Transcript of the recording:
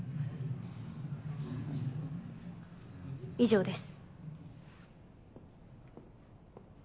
以上です。